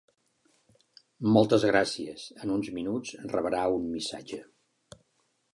Moltes gràcies, en uns minuts rebrà un missatge.